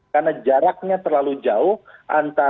karena jaraknya terlalu jauh antara rentang kendali antara provinsi